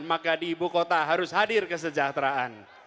maka di ibu kota harus hadir kesejahteraan